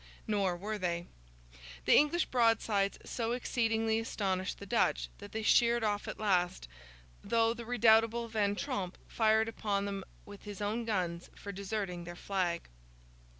Nor were they. The English broadsides so exceedingly astonished the Dutch that they sheered off at last, though the redoubtable Van Tromp fired upon them with his own guns for deserting their flag.